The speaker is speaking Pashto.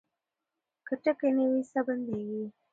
که ټکی نه وي ساه بندېږي.